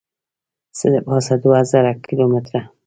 څه دپاسه دوه زره کیلو متره